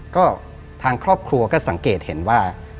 ก็ทางครอบครัวก็สังเกตเห็นว่า